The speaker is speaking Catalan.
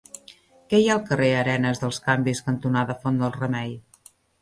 Què hi ha al carrer Arenes dels Canvis cantonada Font del Remei?